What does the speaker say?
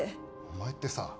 お前ってさ